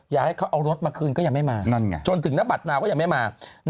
อยากให้เขาเอารถมาคืนก็ยังไม่มาจนถึงนบัตรนาวก็ยังไม่มา